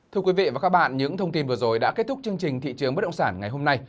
thưa quý vị và các bạn những thông tin vừa rồi đã kết thúc chương trình thị trường bất động sản ngày hôm nay